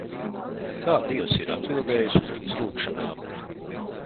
Kā Dievs ir atbildējis uz viņas lūgšanām?